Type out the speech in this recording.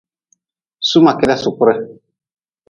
Su ma keda sukure.